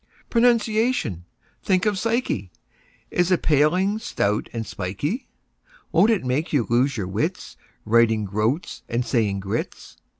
Pronunciation—think of psyche!— Is a paling, stout and spikey; Won't it make you lose your wits, Writing "groats" and saying groats?